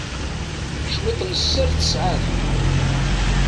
Cwiṭ n sser tesɛa-t.